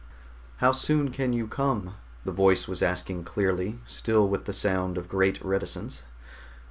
"How soon can you come?" the voice was asking clearly, still with the sound of great reticence.